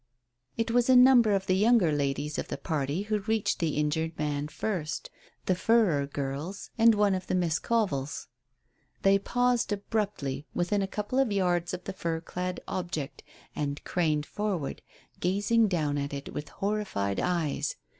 It was a number of the younger ladies of the party who reached the injured man first; the Furrer girls and one of the Miss Covills. They paused abruptly within a couple of yards of the fur clad object and craned forward, gazing down at it with horrified eyes.